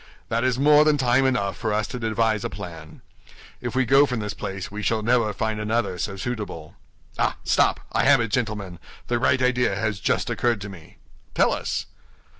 That is more than time enough for us to devise a plan. If we go from this place we shall never find another so suitable. Ah, stop! I have it, gentlemen; the right idea has just occurred to me." "Tell us."